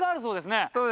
そうですね